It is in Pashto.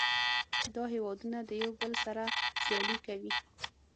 دا هیوادونه د یو بل سره سیالي کوي